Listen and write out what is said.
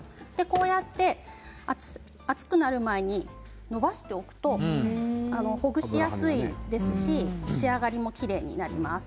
こうやって熱くなる前にのばしておくとほぐしやすくなりますし仕上がりもきれいになります。